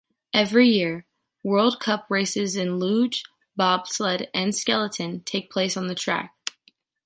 Every year, World Cup races in luge, bobsleigh and skeleton take place on the track.